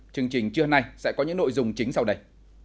chương trình trưa nay sẽ có những nội dung chính sau đây